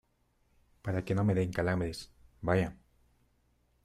para que no me den calambres. vaya .